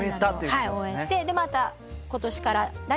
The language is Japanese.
はい終えてまた今年から。